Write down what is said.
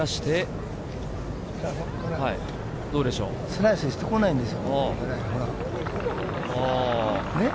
スライスしてこないんですよ。